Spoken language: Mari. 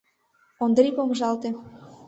Ондрий помыжалте.